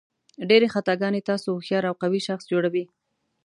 ډېرې خطاګانې تاسو هوښیار او قوي شخص جوړوي.